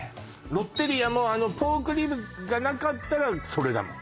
ロッテリアもあのポークリブがなかったらそれだもん